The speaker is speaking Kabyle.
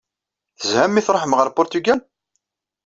Tezham mi tṛuḥem ɣer Puṛtugal?